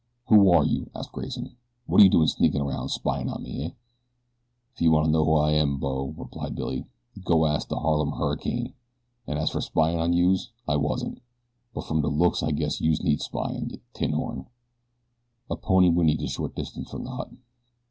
"Who are you?" asked Grayson. "What you doin' sneakin' 'round spyin' on me, eh?" "If you wanna know who I am, bo," replied Billy, "go ask de Harlem Hurricane, an' as fer spyin' on youse, I wasn't; but from de looks I guess youse need spyin, yuh tinhorn." A pony whinnied a short distance from the hut.